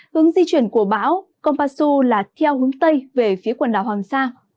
hướng di chuyển của bão kompasu là theo hướng tây về phía quần đảo hoàng sa